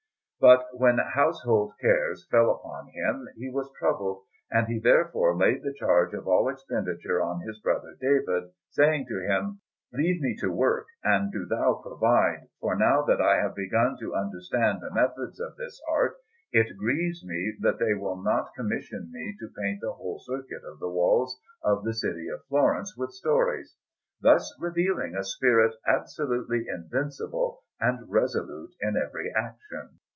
But when household cares fell upon him he was troubled, and he therefore laid the charge of all expenditure on his brother David, saying to him, "Leave me to work, and do thou provide, for now that I have begun to understand the methods of this art, it grieves me that they will not commission me to paint the whole circuit of the walls of the city of Florence with stories"; thus revealing a spirit absolutely invincible and resolute in every action.